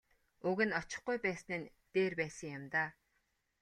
Уг нь очихгүй байсан нь дээр байсан юм даа.